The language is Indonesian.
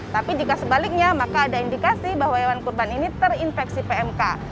tapi jika sebaliknya maka ada indikasi bahwa hewan kurban ini terinfeksi pmk